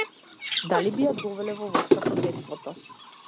Дали би ја довеле во врска со детството?